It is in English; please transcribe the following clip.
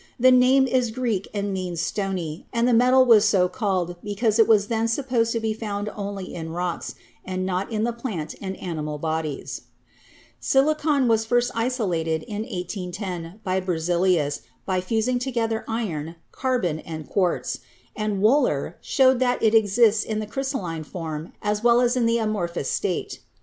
The name is Greek and means stony, and the metal was so called because it was then supposed to be found only in rocks, and not in the plant and animal bodies. 252 MODERN INORGANIC CHEMISTRY 253 Silicon was first isolated in 1810 by Berzelius by fusing together iron, carbon and quartz, and Wohler showed that it exists in the crystalline form as well as in the amorphous state.